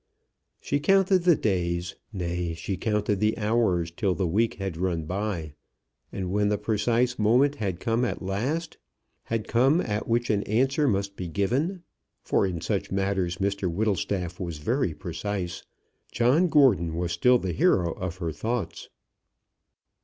She counted the days, nay, she counted the hours, till the week had run by. And when the precise moment had come at which an answer must be given, for in such matters Mr Whittlestaff was very precise, John Gordon was still the hero of her thoughts.